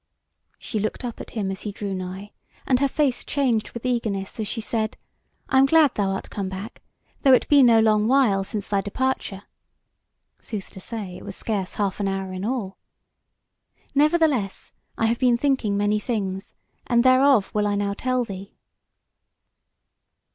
She looked up at him as he drew nigh, and her face changed with eagerness as she said: "I am glad thou art come back, though it be no long while since thy departure" (sooth to say it was scarce half an hour in all). "Nevertheless I have been thinking many things, and thereof will I now tell thee."